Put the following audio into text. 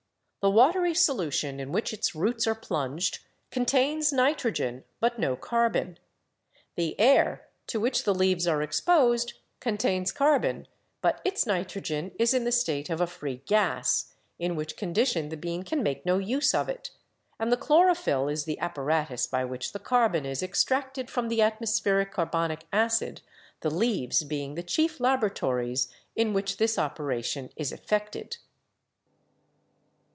The watery solution, in which its roots are plunged, contains nitrogen but no carbon; the air, to which the leaves are exposed, contains carbon, but its nitrogen is in the state of a free gas, in which condition the bean can make no use of it, and the chlorophyll is the apparatus by which the carbon is extracted from the atmospheric carbonic acid, the leaves being the chief laboratories in which this operation is effected.